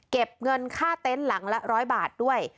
เก็บเงินค่าเต็นต์หลังละ๑๐๐บาทด้วย